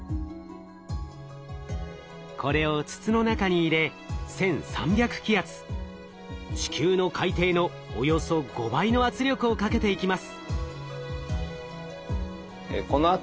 これを筒の中に入れ１，３００気圧地球の海底のおよそ５倍の圧力をかけていきます。